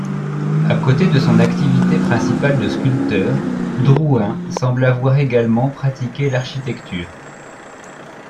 À côté de son activité principale de sculpteur, Drouin semble avoir également pratiqué l'architecture.